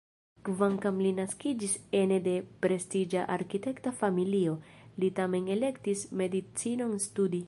Kvankam li naskiĝis ene de prestiĝa arkitekta familio, li tamen elektis medicinon studi.